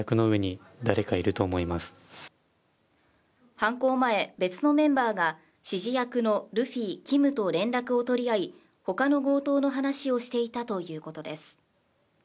犯行前別のメンバーが指示役のルフィキムと連絡を取り合いほかの強盗の話をしていたということです